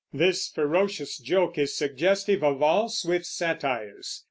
This ferocious joke is suggestive of all Swift's satires.